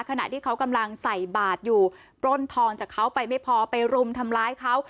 ขณะที่เขากำลังใส่บาทอยู่ปล้นทองจากเขาไปไม่พอไปรุมทำร้ายเขา